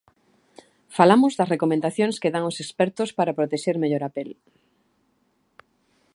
Falamos das recomendacións que dan os expertos para protexer mellor a pel.